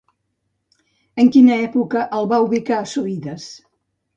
En quina època el va ubicar Suides?